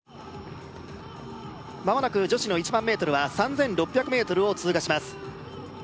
まもなく女子の１００００ｍは３６００ｍを通過します